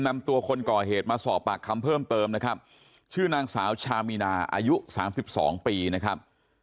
นำตัวคนก่อเหตุมาสอบปากคำเพิ่มเติมนะครับชื่อนางสาวชามีนาอายุสามสิบสองปีนะครับ